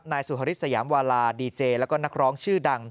นายสุฮริสยามวาลาดีเจแล้วก็นักร้องชื่อดัง